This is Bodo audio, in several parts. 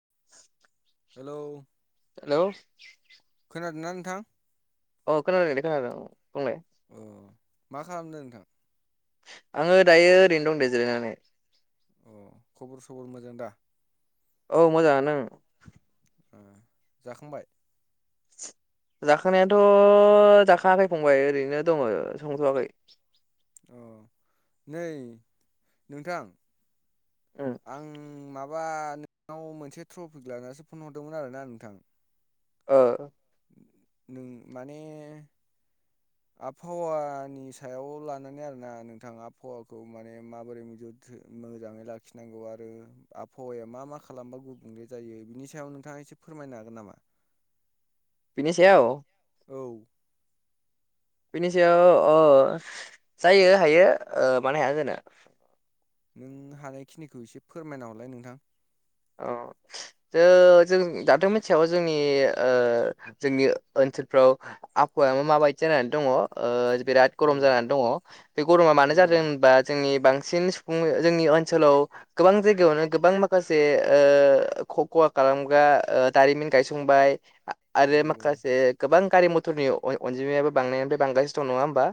[inaudible] हेलौ हेलौ खोनादों ना नोंथां? औ खोनादों दे खोनादों औ। अ मा खालामदों नोंथां? आंङो दायो ओरैनो दं दे जिरायनानै। अ खबर सबर मोजां दा? औ मोजाङानो ओं। ओ जाखांबाय? जाखांनायाथ' जाखाङाखै फंबाय ओरैनो दङ संथ'वाखै। अ नै नोंथां उम आं मा बा नोंनाव मोनसे ट्रपिक लानानैसो फन हरदोंमोन आरोना नोंथां। ओ। नों माने आबहावानि सायाव लानानै आरोना नोंथां आबहावाखौ माने माबोरै मोजाङै लाखिनांगौ आरो आबहावाया मा मा खालामबा गुबुंले जायो। बिनि सायाव नोंथां नोंथाङा एसे फोरमायनो हागोन नामा? बिनि सायाव? औ बिनि सायाव अ जायो हायो ओ मानो हाया जोनो। नों हानायखिनिखौ एसे फोरमायना हरलाय नोंथां। औ जो जों दाथ' मिथियाबो जोंनि ओ जोंनि ओन सोलफ्राव आबहावायाबा माबायदि जानानै दङ ओ बिराद गरम औ जानानै दङ'। बे गरमा औ मानो जादों होनबा जोंनि बांसिन [unintelligible] जोंनि ओनसोलाव गोबां जायगायावनो गोबां माखासे माखासे ओ ख-खहा खालामग्रा ओ दारिमिन गायसंबाय। औ आरो माखासे गोबां गारि मथरनि अन-अनजिमायाबो बांनायनिफ्राय बांगासिनो दं नङा होमबा।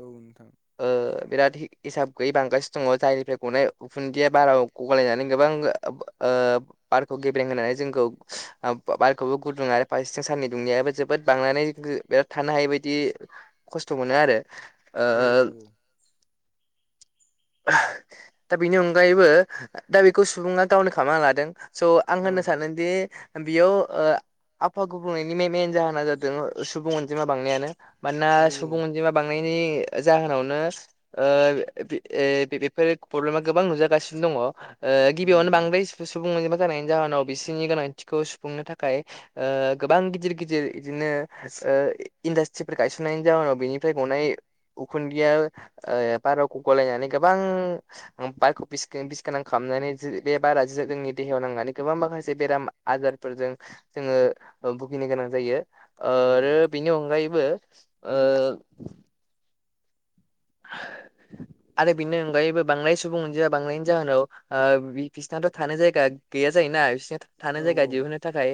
औ नोंथां ओ बिराद हि-हिसाब गैयै बांगासिनो दङ जायनिफ्राय गनाय उखुन्दैया बाराव गलायनानै गोबां ओ बारखौ गेब्रें होनानै जोंखौ ओ बारखौबो गुदुं आरो फारसेथिं साननि दुंनाया जोबोद बांनानै [unintelligible] बिराद थानो हायै बायदि खस्थ' मोनो आरो। ओ औ दा बेनि अनगायैबो दा बेखौ सुबुङा गावनो खामनानै लादों स' आं औ होननो सानदोंदि बेयाव ओ आबहावा गुबुंनायनि मेेन मेन जाहोना जादों सुबुं अनजिमा बांनायानो। मानोना औ सुबुं अनजिमा बांनाय नि जाहोनावनो ओ ए बेफोर प्रब्लेमा गोबां नुजागासिनो दङ। गिबि यावनो उम बांद्राय सुबुं सुबुं अजिमा जानायनि जाहोनाव बिसोरनि गोनांथिखौ सुफुंनो थाखाय ओ गोबां गिदिर गिदिर बिदिनो ओ इंडस्ट्रीफोर गायसननायनि जाहोनाव बेनिफ्राय गनाय उखुन्दैया ओ ओ बारावखौ गलायनानै गोबां बारखौ बिस गोन बिस गोनां खालामनानै जे बे बारा जो-जोंनि देहायाव नांनानै गोबां माखासे बेराम आजारफोरजों जोङो बुगिनो नि गोनां जायो औ आरो बिनि अनगायैबो ओ आरो बिनि अनगायैबो बांनाय सुबुं अनजिमा बांनायनि जाहोनाव ओ बि-बिसनाथ' थानो जायगा गैया जायोना बिसिना औ थानो जायगा दिहुननो थाखाय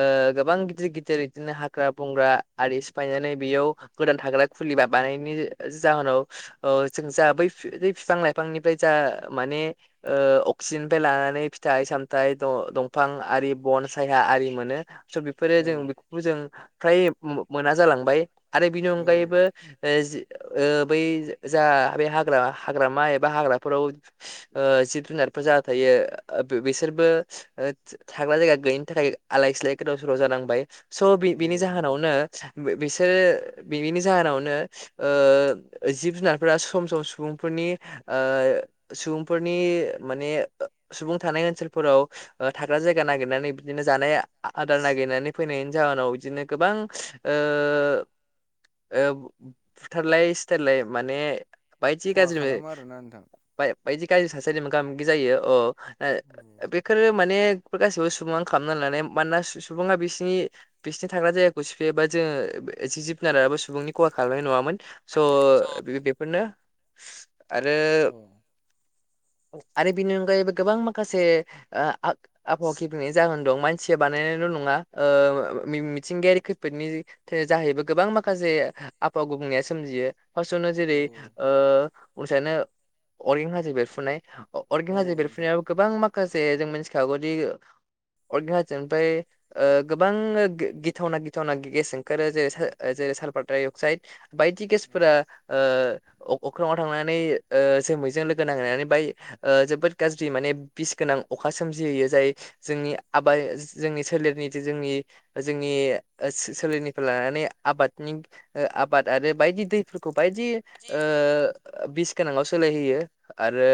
ओ गोबां गिदिर गिदिर बिदिनो हाग्रा बंग्रा आरि सिफायनानै बेयाव गोदान थाग्रा खुलि बा बानायनि जाहोनाव ओ जों जा बै बै बिफां लाइफांनिफ्राय जा माने ओ अक्सिजेननिफ्राय ला नानै फिथाइ सामथाय द-दंफां आरि बन सायहा आरि मोनो। स' बेफोरो औ जों बेफोरखौ जों फ्राय मो-मोना जालांबाय। आरो बिनि औ अनगायैबो ओ जि ओ बै जा बे हाग्रा हाग्रामा एबा हाग्राफोराव ओ जिब जुनारफोर जा थायो ओ बि-बिसोरबो ओ था-थाग्रा जायगा गैयिनि थाखाय आलाय सिलाय गोदाव सोराव जानांबाय। स' बि-बिनि नोंथां जाहोनावनो बि-बिसोर बिनि जाहोनावनो ओ जिब जुनारफोरा सम सम सुबुंफोरनि ओ सुबुंफोरनि माने सुबुं थानाय ओनसोलफोराव ओ थाग्रा जायगा नागिरनानै बिदिनो जानाय आ-आदार नागिरनानै फैनायनि जा जाहोनाव बिदिनो गोबां ओ ओ फुथारलाय सि थारलाय माने बायदि खहा गाज्रि खालामो आरोना नोंथां बाय बायदि गाज्रि थासारि मोगा मोगि जायो अ औ ओ बेफोरो माने बेफोर गासिबो सुबुङानो खालामनानै लानाय। मानोना सु-सुबुङा बिसोरनि बिसोरनि थाग्रा जायगाखौ सिफायोबा जोङो ओ जि-जिब जुनाराबो सुबुंनि खहा खालामनाय नङामोन स' बेफोरनो आरो औ [inaudible] आरो बेनि अनगायैबो गोबां माखासे आ-आबहावा गेब्रेंनायनि जाहोन दं मानसिया बानायनायल' नङा ओ मि-मिथिंगायारि खैफोदनि जाहैबो गोबां माखासे आबहावा गुबुंनाया सोमजियो फार्स्टआवनो औ जेरै ओ [unintelligible] अरगें हाजो बेरफ्रुनाय अ-अरगें औ हाजो नोंथां बेरफ्रुनायाव गोबां माखासे जों मिथिखागौ दि अरगें हाजोनिफ्राय ओ गोबां गिथावना गिथावना गेस ओंखारो जेरै जेरै सालफार-डाइ-अक्साइद बायदि औ गेसफोरा ओ अ अख्राङाव थांनानै ओ जोमैजों लोगो नांहैनानै बाय ओ जोबोद गाज्रि माने बिस गोनां अखा सोमजिहोयो जाय जोंनि आबाद जोंनि सोलेरनि जोंनि जोंनि ओ सो सोलेरनिफ्राय लानानै आबादनि ओ आ बाद आरो बायदि दैफोरखौ बायदि ओ बिस गोनांआव सोलायहोयो। आरो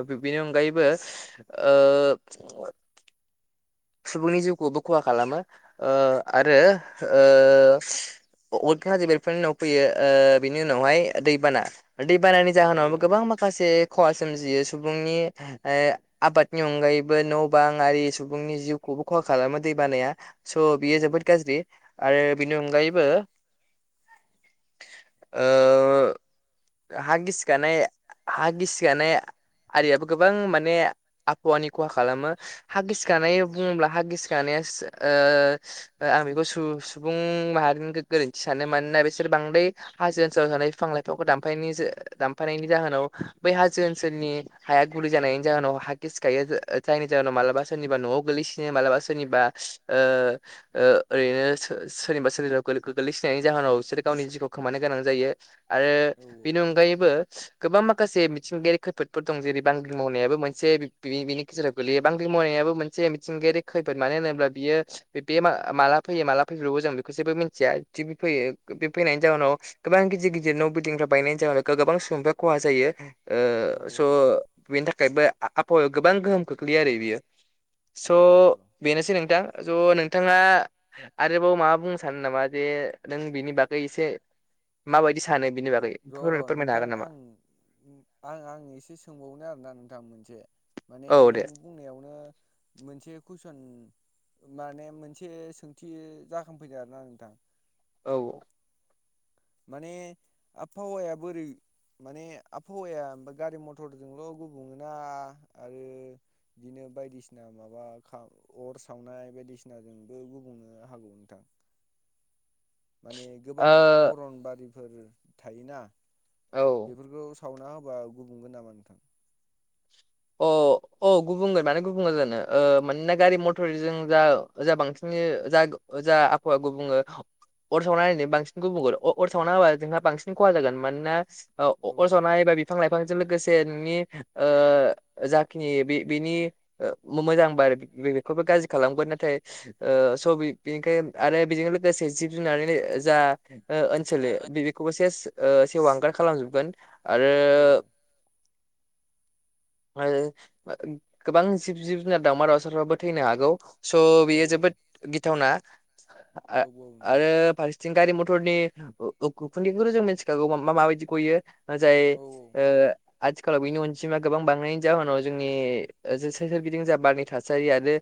ओ औ बिनि अनगायैबो ओ सुबुंनि जिउखौबो खहा खालामो ओ आरो ओ अरगें हाजो बेरफ्रुनायनि उनाव फैयो ओ बिनि उनावहाय दैबाना दै बानानि जाहोनावबो गोबां माखासे खहा सोमजियो सुबुंनि ओ आबादनि अनगायैबो न' बां आरि सुबुंनि जिउखौबो खहा खालामो दै बानाया स' बियो जोबोत गाज्रि आरो बिनि अनगायैबो ओ हा गिसिगानाय हा गिसिगानाया आरियाबो गोबां माने आबहावानि खहा खालामो हा गिसिगानाय बुङोब्ला हागिसि गानाया ओ औ आं बेखौ सु-सुबुं माहारिनि गोरोन्थि सानो मानोना बेसोर बांद्राय हाजो ओनसोलाव थानाय फिफां-लाइफांखौ दानफायनायनि जो दानफायनायनि जाहोनाव बै हाजो ओनसोलनि हाया गुरै जानायनि जाहोनाव हा गिसिखायो जायनि जाहोनाव मालाबा सोरनिबा न'आव गोलैसिनो मालाबा सोरनिबा ओ ओ ओरैनो सो सोरनिबा सोरनिबा गोलै गोलैसि नायनि जाहोनाव बिसोर गावनि जिउखौ खोमानो गोनां जायो आरो बिनि अनगायैबो गोबां माखासे मिथिंगायारि खैफोदफोर दं जेरै बांग्रिं मावनायाबो मोनसे बि बिनि गेजेराव गोलैयो बांग्रि मावनायाबो मोन मोनसे मिथिंगायारि खैफोद मानो होनोब्ला बियो बेयो मा माला फैयो माला फैब्र'बो जों बेखौ जेबो मिन्थिया फैयो बे फैनायनि जाउनाव गोबां गिदिर गिदिर न' बिल्डिंफ्रा बायनायनि जाहोनाव गोबां सुबुंफ्रा खहा जायो। ओ स' बेनि थाखायबो आ आबहावायाव गोबां गोहोम खोख्लैयो आरो बियो। स' औ औ अ बेनोसै नोंथां ज' नोंथाङा आरोबाव माबा बुंनो सानो नामा जे नों बिनि बागै एसे माबायदि सानो बिनि बागै र' र' फोरमायनो नोंथां हागोन नामा? आं आं आं एसे सोंबावनो आरोना नोंथां मोनसे माने औ दे नों बुंनायावनो मोनसे कुइसन माने मोनसे सोंथि जाखांफैदों आरोना नोंथां। औ माने आबहावाया बोरै माने आबहावाया गारि मथरजोंल' गुबुङो ना आरो बिदिनो बायदिसिना माबा अर सावनाय बायदिसिनाजोंबो गुबुंनो हागौ नोंथां। [inaudible] माने गोबां अरनबारिफोर थायोना औ बेफोरखौ सावना होबा गुबुंगोन नामा नोंथां। अ अ गुबुंगोन माने गुबुंग जानो मानोना गारि मथरजों जा जा बांसिन जा जा आबफावा गुबुंङो अर सावना होनाया बांसिन गुबुंगोन अ-अर सावना होबा जोंहा बांसिन खहा जागोन मानोना औ ओ अरसावना होबा बिफां लाइफांजों लोगोसे नोंनि ओ जाखिनि बे बेनि मोजां बार बे बेखौबो गाज्रि खालामगोन नाथाय ओ स बेनिखायनो आरो बेजों लोगोसे जिब-जुनारनो जा ओ ओनसोल बेखौबो से ओ सेवहांगार खालामजोबगोन आरो आरो गोबां जिब जिब-जुनार दावमा-दावउसाफ्राबो थैनो हागौ। स' औ बेयो जोबोद गिथावना औ औ नोंथां आ-आरो फारसेथिं गारि मथरनि उखुन्दखौ जों मिथिखागौ मा माबायदि गयो जाय औ आथिखाल बिनि अनजिमा गोबां बांनायनि जाहोनाव जोंनि सोर सोरगिदिं जा बारनि थासारि आरो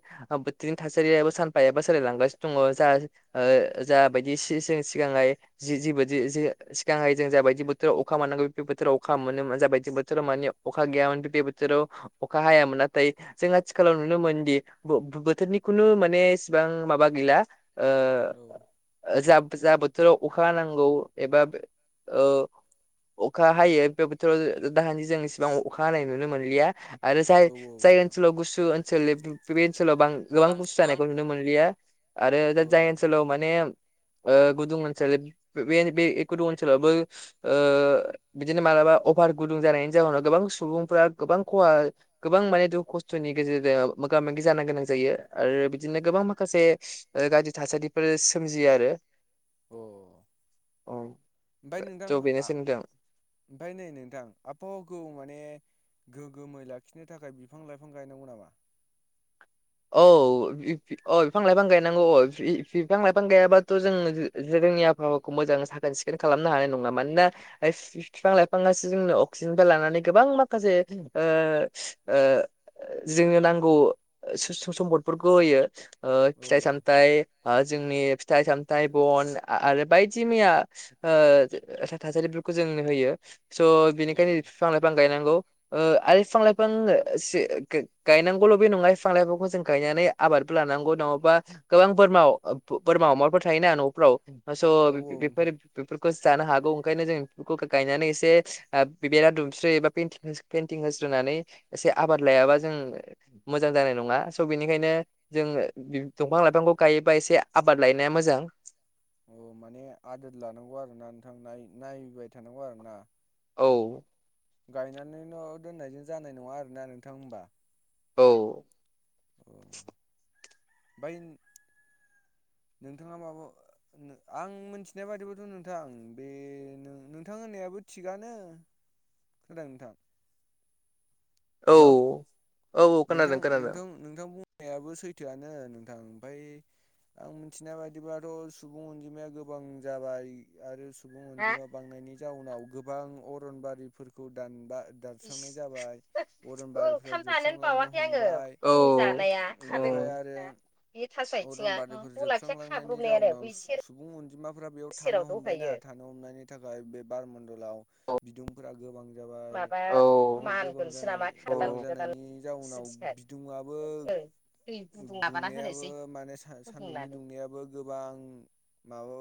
बारनि थासारि सानफायाबो सोलायलांगासिनो दंङो जा जा बायदि सि सिगाङै जिबो सिगांहाय जों जाबायदि बोथोराव अखा मोनानांगौ बे बोथोराव अखा मोनोमोन जाबायदि बोथोराव मानि अखा गैयाम बे बोथोराव अखा हायामोन नाथाय जों आथिखालाव नुनो मोन दि बोथोरनि खुनु माने एसेबां माबा औ गैलाया बोथोराव अखा नांगौ एबा अखा हायो बे बोथोराव दाहानि जों इसेबांखा नुनो मोनलिया आरो औ औ नोंथां ओनसोलाव गुसु ओनसोलनि ओनसोलाव गोबां गुसु जानायखौ नुनो मोनलिया आरो दा औ जाय ओनसोलाव माने गुदुं ओनसोल बे बे गुदुं ओनसोलावबो बिदिनो मालाबा अफार गुदुं जानायनि जाहोनाव गोबां सुबुंफोरा गोबां खहा गोबां माने दुख खस्थ'नि गेजेरजों मोगा मोगि जानो गोनां जायो आरो बिदिनो गोबां माखासे गाज्रि थासारिफोर आरो अ ओमफ्राय नोंथां अ बेनोसै नोंथां ओमफ्राय नै नोंथां आबहावाखौ माने गोग्गोमै लाखिनो थाखाय बिफां - लाइफां गायनांगौ नामा औ अ बिफां लाइफां गायनांगौ अ बिफां लाइफां गायाबाथ' जोंनि आबहावाखौ मोां साखोन सिखोन खालामनो हानाय नंङा मानोना बिफां लाइफाङो जोंनो अक्सिजेन लानानै गोबां माखासे जोंनो नांगौ सम्पदफोरखौ होयो औ फिथाइ सामथ जोंनि फिथाइ सामथाइ बन आरो बायदि मैया थासारिफोरखौ जोंनो होयो। स' औ बिनि नो बिफां लाइफां गायनांगौ आरो बिफां लाइफां गायनांगौल' बे नङा। फां लाइफांखौ जों गायनानै आबादबो लानांगौ नंङाबा गोबां बोरमा बोरमा अमाफोर थायोना न'फ्राव स'आ औ औ बेफोर नोंथां बे जानो हागौ ओंखायनो जों बि गायनानै एसे बिबरा दुमस्रियो एबा पेनथिं हो आबाद लायाब्ला एसे जों मोजां जानाय नंङा स' बिनिखायनो जोंङो दंफां लाइफांखौ गायोबा एसे आबाद लायनाया मोजां अ माने आदोर लानांगौ आरो ना नोंथां नायबाय थानांगौ आरो ना औ गायनानैल' दोननायजों जानाय नंङा आरोना नोंथां होनोमबा औ औ [unintelligible] नोंथांङा माब आं मिथिनाय बादिबोथ' नोंथां बे नोंथां होननायाबो बेबो थिगानो खोनादों नोंथां औ हेलौ औ खोनादों खोनादों। याबो सैथोआनो नोंथां ओमफाय आं मिथिनाय बायदिबाथ' सुबुं अनजिमाया गोबां जाबाय आरो सुबुं अनजिमा बांनायनि जाउनाव गोबां अरनबारिफोरखौ दानबा दानस्रांनाय जाबाय अरनबारिफ्रा ओंखाम थान जोबस्रांलांनो बावाखै आङो हमबाय औ जानाया बेनिफ्राय आरो औ। अरनबारिफोर जोबस्रांलांनायनि जाउनाव सु सुबुं अनजिमाफोरा बेयाव थानो हमबायना‌ थानो हमनायनि थाखाय बे बारमन्दलाव औ बिदुंफोरा गोबां जाबाय आरो गोबां जानाय गोबां जानायनि जाउनाव बिदुंआबो दुंनायाबो बो माने सा सानदुंनि दुंनाय गोबां माबा